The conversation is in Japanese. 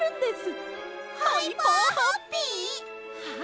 はい！